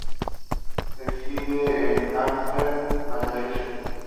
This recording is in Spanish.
Reside en Amherst, Massachusetts.